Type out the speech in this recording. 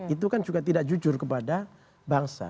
itu kan juga tidak jujur kepada bangsa